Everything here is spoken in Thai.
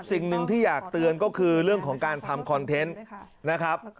สิ่งหนึ่งที่อยากเตือนก็คือเรื่องของการทำคอนเทนต์นะครับ